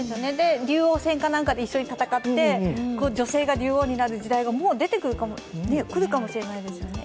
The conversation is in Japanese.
竜王戦か何かで一緒に戦って女性が竜王になる時代が、もう来かもしれないですよね。